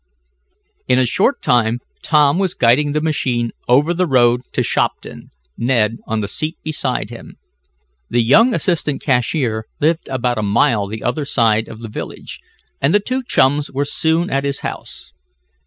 In a short time Tom was guiding the machine over the road to Shopton, Ned on the seat beside him. The young assistant cashier lived about a mile the other side of the village, and the two chums were soon at his house.